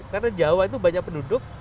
karena jawa itu banyak penduduk